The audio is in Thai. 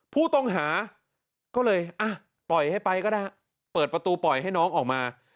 ผู้ต้องหาก็เลยปล่อยให้ไปก็ได้เปิดประตูปล่อยให้น้องออกมา